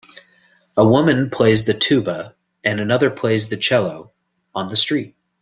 A woman plays the tuba and another plays the cello on the street.